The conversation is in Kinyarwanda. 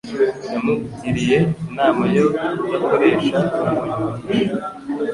Yamugiriye inama yo kudakoresha umunyu mwinshi